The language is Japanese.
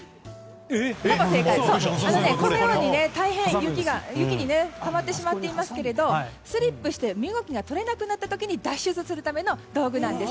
このように、大変、雪にはまってしまっていますけれどスリップして身動きが取れなくなった時に脱出するための道具なんです。